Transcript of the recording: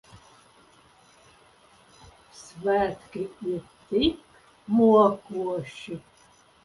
Svētki ir tik mokoši.